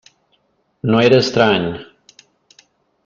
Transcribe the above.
No era estrany.